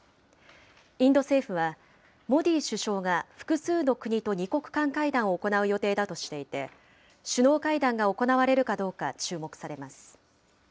インド政府は、モディ首相が複数の国と２国間会談を行う予定だとしていて、首脳会談が行われるかどうか、注目されます。